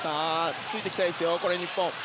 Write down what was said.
ついていきたいですね日本。